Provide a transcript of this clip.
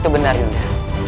itu benar yunda